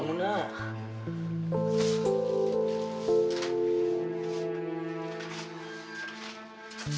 akhirnya liat tuh